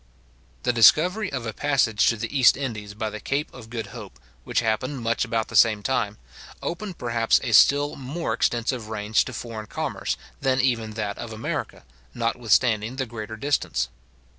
The discovery of a passage to the East Indies by the Cape of Good Hope, which happened much about the same time, opened perhaps a still more extensive range to foreign commerce, than even that of America, notwithstanding the greater distance.